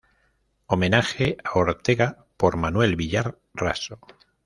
Homenaje a Ortega", por Manuel Villar Raso.